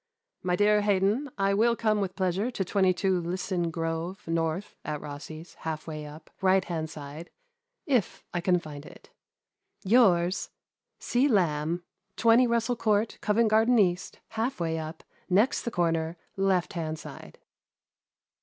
" My dear Haydon, — I will come with pleasure to 22 Lia son Grove, North, at Rossi's, half way up, right hand side, if I can find it. " Yours, 0. Lamb. " 20 Rassel Court, Covent Garden East, half way up, next the cor ner, left hand side."